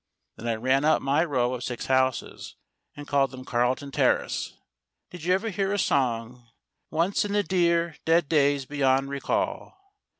Then I ran up my row of six houses, and called SUNNIBROW 135 them Carlton Terrace. Did you ever hear a song "Once, in the dear, dead days beyond recall"?